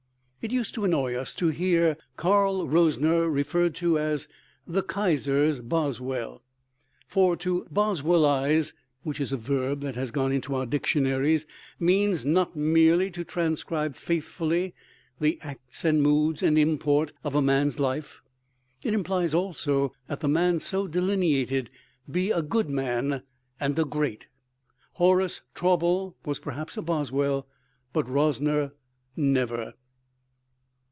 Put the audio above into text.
It used to annoy us to hear Karl Rosner referred to as "the Kaiser's Boswell." For to boswellize (which is a verb that has gone into our dictionaries) means not merely to transcribe faithfully the acts and moods and import of a man's life; it implies also that the man so delineated be a good man and a great. Horace Traubel was perhaps a Boswell; but Rosner never.